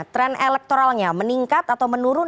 tren elektoralnya meningkat atau menurun